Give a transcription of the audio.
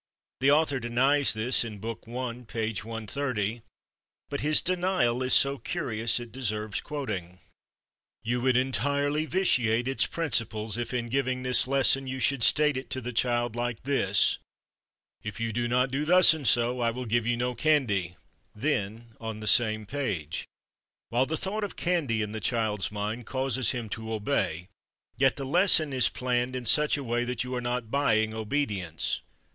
The author denies this in Book I, p. 130, but his denial is so curious it deserves quoting: "_You would entirely vitiate its principles if in giving this lesson you should state it to the child like this: 'If you do not do thus and so, I will give you no candy._'" Then on the same page: "_While the thought of candy in the child's mind causes him to obey, yet the lesson is planned in such a way that you are not buying obedience.